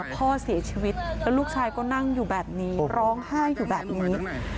พ่อเสียชีวิตแล้วลูกชายก็นั่งอยู่แบบนี้ร้องไห้อยู่แบบนี้